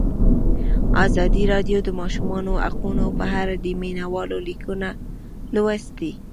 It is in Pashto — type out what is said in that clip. ازادي راډیو د د ماشومانو حقونه په اړه د مینه والو لیکونه لوستي.